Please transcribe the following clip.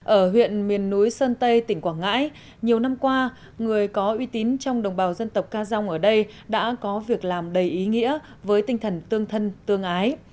ở huyện miền núi sơn tây tỉnh quảng ngãi nhiều năm qua người có uy tín trong đồng bào dân tộc ca dông ở đây đã có việc làm đầy ý nghĩa với tinh thần tương thân tương ái